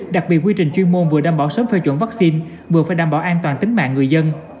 đặc biệt quy trình chuyên môn vừa đảm bảo sớm phê chuẩn vaccine vừa phải đảm bảo an toàn tính mạng người dân